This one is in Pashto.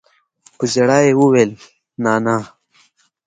په ژړا يې وويل نانىه.